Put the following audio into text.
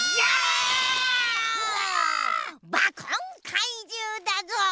バコンかいじゅうだぞ！